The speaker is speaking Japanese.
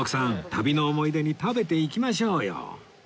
旅の思い出に食べていきましょうよ